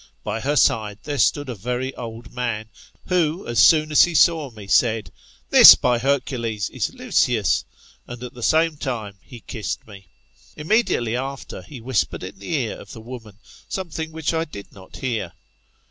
By her/side there stood a very old man, who, as soon as he saw me, said. This, by Hercules, is Lucius, and at the same time he kissed me. Immediately after, he whispered in the ear of the woman something which I did not hear.